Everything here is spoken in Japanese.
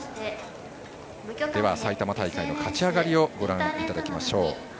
埼玉大会の勝ち上がりをご覧いただきましょう。